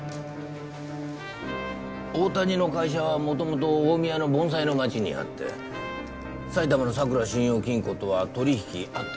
大谷の会社はもともと大宮の盆栽の町にあって埼玉のさくら信用金庫とは取引あったんです。